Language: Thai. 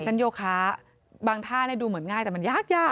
โยคะบางท่าดูเหมือนง่ายแต่มันยากยาก